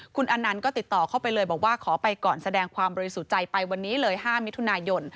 คุณอนันต์ก็ติดต่อเข้าไปเลยบอกว่าขอไปก่อนแสดงความบริสุทธิ์ใจไปวันนี้เลย๕มิถุนายน